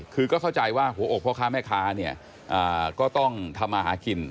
คือก็เข้าใจว่าหัวอกพ่อค้าแม่ค้าเนี่ยก็ต้องทำมาหากิน